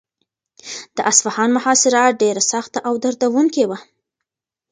د اصفهان محاصره ډېره سخته او دردونکې وه.